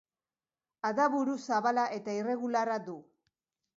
Adaburu zabala eta irregularra du.